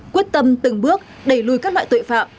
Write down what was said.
quyết tâm từng bước đẩy lùi các loại tội phạm